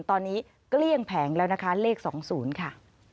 ตอนนี้เกลี้ยงแผงแล้วนะคะเลข๒๐ค่ะ